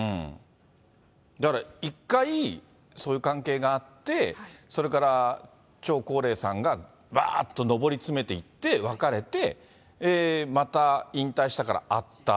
だから１回そういう関係があって、それから張高麗さんがばーっと上り詰めていって別れて、また引退したからあった。